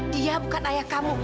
dia bukan ayah kamu